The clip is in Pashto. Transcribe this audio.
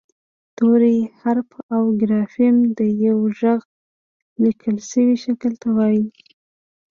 توری حرف او ګرافیم د یوه غږ لیکل شوي شکل ته وايي